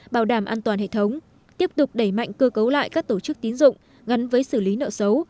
bảo đảm an toàn hệ thống tiếp tục đẩy mạnh cơ cấu lại các tổ chức tín dụng gắn với xử lý nợ xấu